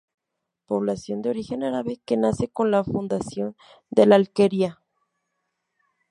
Población de origen árabe que nace con la fundación de La Alquería.